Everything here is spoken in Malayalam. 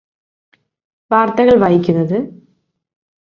വാർത്തകൾ വായിക്കുന്നത്